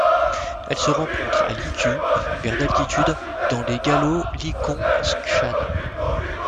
Elle se rencontre à Liuku vers d'altitude dans les Gaoligongshan.